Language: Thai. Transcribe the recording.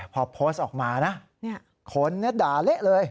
พอโพสต์ออกมานะโว้ยคนด่าเหล็กเลย